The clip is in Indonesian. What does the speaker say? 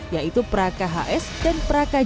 yaitu pas pamres dan prakarm